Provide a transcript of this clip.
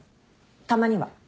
たまには。